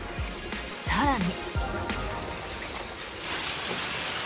更に。